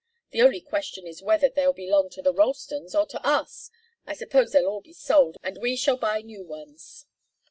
"The only question is whether they'll belong to the Ralstons or to us. I suppose they'll all be sold and we shall buy new ones."